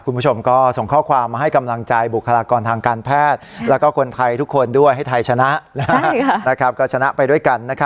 คุณผู้ชมก็ส่งข้อความมาให้กำลังใจบุคลากรทางการแพทย์แล้วก็คนไทยทุกคนด้วยให้ไทยชนะก็ชนะไปด้วยกัน